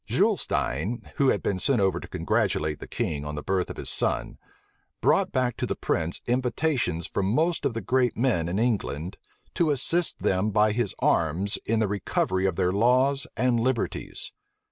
Zuylestein, who had been sent over to congratulate the king on the birth of his son, brought back to the prince invitations from most of the great men in England, to assist them by his arms in the recovery of their laws and liberties.